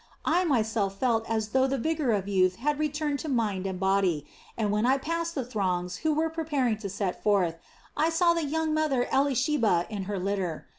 I myself felt as though the vigor of youth had returned to mind and body, and when I passed the throngs who were preparing to set forth, I saw the young mother Elisheba in her litter.